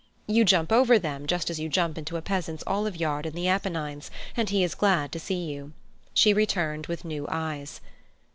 You jump over them just as you jump into a peasant's olive yard in the Apennines, and he is glad to see you. She returned with new eyes.